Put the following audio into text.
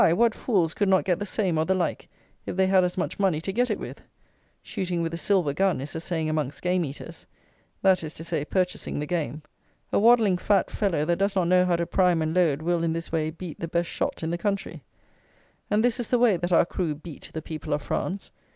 what fools could not get the same, or the like, if they had as much money to get it with? Shooting with a silver gun is a saying amongst game eaters. That is to say, purchasing the game. A waddling, fat fellow that does not know how to prime and load will, in this way, beat the best shot in the country. And this is the way that our crew "beat" the people of France.